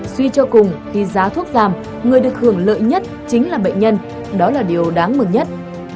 suy cho cùng khi giá thuốc giảm người được hưởng lợi nhất chính là bệnh nhân đó là điều đáng mừng nhất